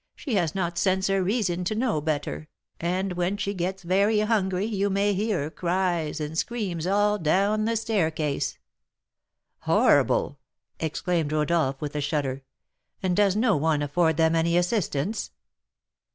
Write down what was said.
she has not sense or reason to know better, and when she gets very hungry you may hear cries and screams all down the staircase." "Horrible!" exclaimed Rodolph, with a shudder; "and does no one afford them any assistance?"